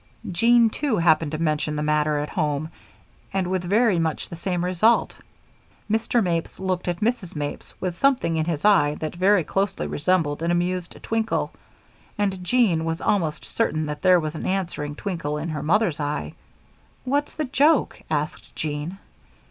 Jean, too, happened to mention the matter at home and with very much the same result. Mr. Mapes looked at Mrs. Mapes with something in his eye that very closely resembled an amused twinkle, and Jean was almost certain that there was an answering twinkle in her mother's eye. "What's the joke?" asked Jean.